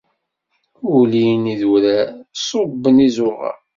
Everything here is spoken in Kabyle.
Ulin idurar, ṣubben iẓuɣar.